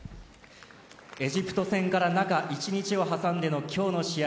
エジプト戦から中１日を挟んでの今日の試合。